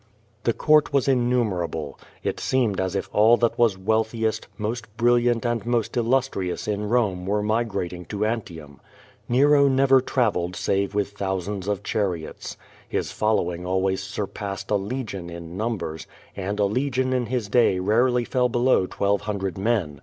The court was innumerable. It seemed as if all that was wealthiest, most brilliant and most illustrious in Rome were migrating to Antium. Nero never traveled save with thou sands of chariots. His following always surpassed a legion in numbers, and a legion in his day rarely fell below twelve hundred men.